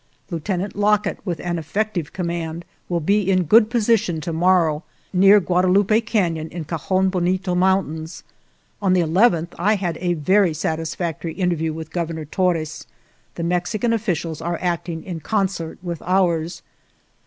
Lieutenant Lockett, with an effective command, will be in good position to morrow, near Guada lupe Canon, in Cajon Bonito Mountains. On the 11th I had a very satisfactory inter view with Governor Torres. The Mexican officials are acting in concert with ours.'